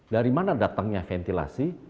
dari mana datangnya ventilasi